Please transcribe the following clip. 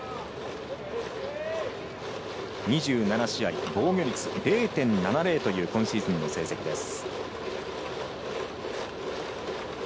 ２７試合、防御率０．７０という今シーズンの成績です。